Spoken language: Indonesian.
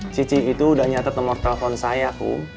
cicik itu udah nyatet nomor telfon saya kum